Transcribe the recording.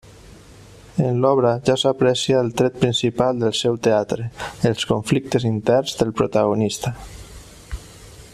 En l'obra ja s'aprecia el tret principal del seu teatre: els conflictes interns del protagonista.